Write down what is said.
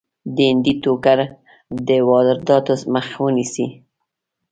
د هندي ټوکرو د وادراتو مخه ونیسي.